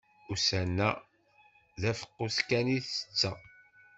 Ussan-a d afeqqus kan i tetteɣ.